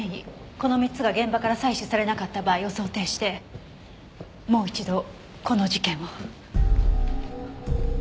この３つが現場から採取されなかった場合を想定してもう一度この事件を。